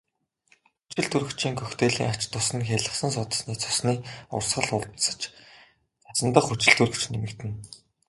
Хүчилтөрөгчийн коктейлийн ач тус нь хялгасан судасны цусны урсгал хурдсаж цусан дахь хүчилтөрөгч нэмэгдэнэ.